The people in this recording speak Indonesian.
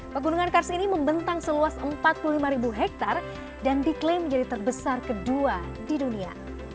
pegunungan kars ini membentang seluas empat puluh lima hektare dan diklaim menjadi terbesar kedua di dunia